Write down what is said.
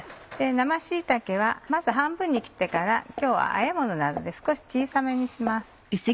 生椎茸はまず半分に切ってから今日はあえものなので少し小さめにします。